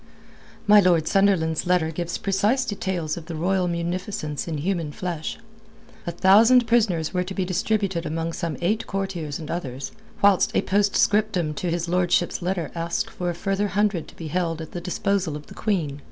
My Lord Sunderland's letter gives precise details of the royal munificence in human flesh. A thousand prisoners were to be distributed among some eight courtiers and others, whilst a postscriptum to his lordship's letter asked for a further hundred to be held at the disposal of the Queen.